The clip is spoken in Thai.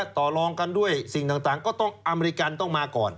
ต่อรองกันด้วยสิ่งต่างก็ต้องอเมริกันต้องมาก่อน